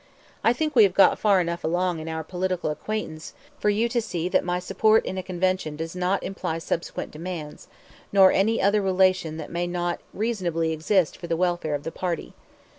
I think we have got far enough along in our political acquaintance for you to see that my support in a convention does not imply subsequent 'demands,' nor any other relation that may not reasonably exist for the welfare of the party.